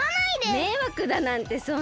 めいわくだなんてそんな。